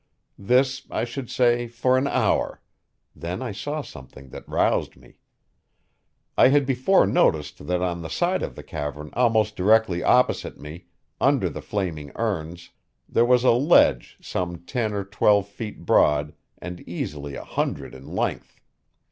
This, I should say, for an hour; then I saw something that roused me. I had before noticed that on the side of the cavern almost directly opposite me, under the flaming urns, there was a ledge some ten or twelve feet broad and easily a hundred in length.